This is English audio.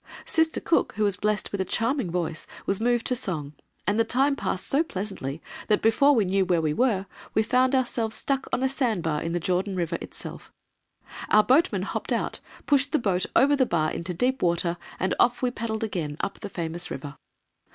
Sister Cook, who was blessed with a charming voice, was moved to song, and the time passed so pleasantly that before we knew where we were, we found ourselves stuck on a sandbar in the Jordan River itself. Our boatmen hopped out, pushed the boat over the bar into deep water, and off we paddled again up the famous river.